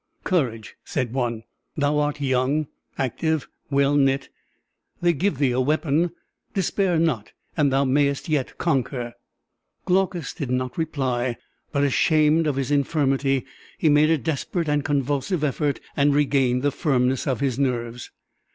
"Courage!" said one; "thou art young, active, well knit. They give thee a weapon! despair not, and thou mayst yet conquer." Glaucus did not reply; but ashamed of his infirmity, he made a desperate and convulsive effort and regained the firmness of his nerves.